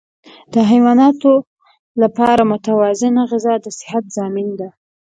د حیواناتو لپاره متوازنه غذا د صحت ضامن ده.